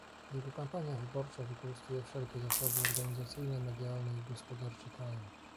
Jego kampania wyborcza wykorzystuje wszelkie zasoby organizacyjne, medialne i gospodarcze kraju